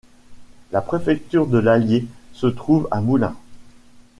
La préfecture de l'Allier se trouve à Moulins.